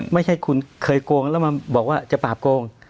ไม่ใช่คุณเคยโกงแล้วมาบอกว่าจะปราบโกง